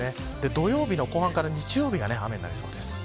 土曜日の後半から日曜日が雨になりそうです。